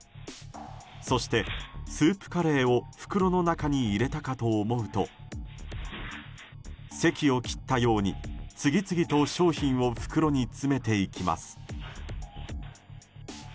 そして、スープカレーを袋の中に入れたかと思うとせきを切ったように次々と商品を袋に詰めていきます。